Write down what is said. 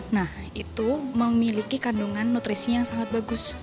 nah itu memiliki kandungan nutrisi yang sangat bagus